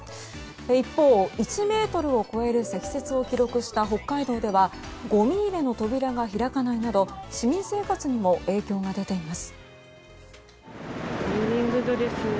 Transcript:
一方、１ｍを超える積雪を記録した北海道ではごみ入れの扉が開かないなど市民生活にも影響が出ています。